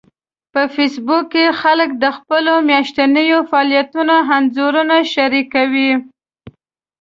په فېسبوک کې خلک د خپلو میاشتنيو فعالیتونو انځورونه شریکوي